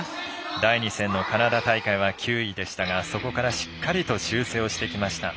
第２戦のカナダ大会は９位でしたがしっかりと修正をしてきました。